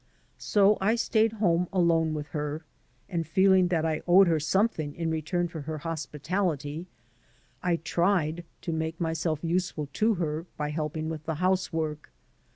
So I stayed home alone with her, and feeling that I owed her some thing in return for her hospitality, I tried to make my self useful to her by helping with the housework.